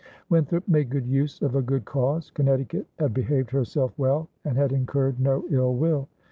Winthrop made good use of a good cause. Connecticut had behaved herself well and had incurred no ill will.